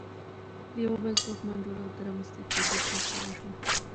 د یوه بل ځواکمن جوړښت د رامنځته کېدو پرېکړه وشوه.